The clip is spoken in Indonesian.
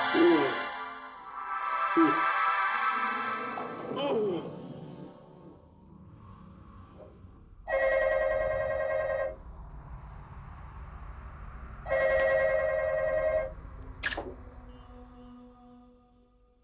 tangan salah orang buat